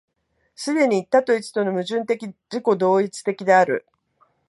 既に多と一との矛盾的自己同一的である。